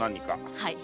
はい。